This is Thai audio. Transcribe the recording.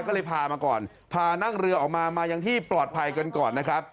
ก็เลยพามาก่อนพานั่งเรือออกมามายังที่ปลอดภัยกันก่อนนะครับ